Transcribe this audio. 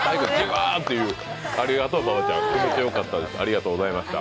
ありがとう、馬場ちゃん、気持ちよかったです。